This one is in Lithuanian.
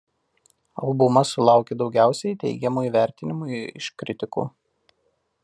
Albumas sulaukė daugiausiai teigiamų įvertinimų iš kritikų.